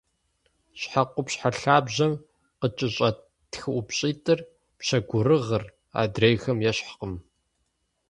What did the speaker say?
Щхьэ къупщхьэ лъабжьэм къыкӏэщӏэт тхыӏупщӏитӏыр – пщэгурыгъыр – адрейхэм ещхькъым.